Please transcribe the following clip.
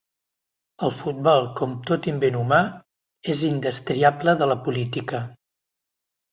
El futbol, com tot invent humà, és indestriable de la política.